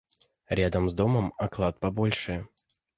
Рядом с домом, оклад побольше.